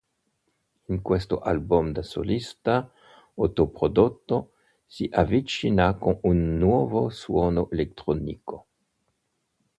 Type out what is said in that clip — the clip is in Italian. In questo album da solista, autoprodotto, si avvicina con un nuovo suono elettronico.